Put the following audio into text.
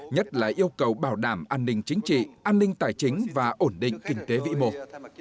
nhất là yêu cầu bảo đảm an ninh chính trị an ninh tài chính và ổn định kinh tế vĩ mô